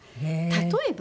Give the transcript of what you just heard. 例えば？